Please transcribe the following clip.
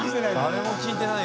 誰も聞いてない